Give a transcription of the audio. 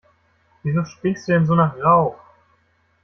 Wieso stinkst du denn so nach Rauch?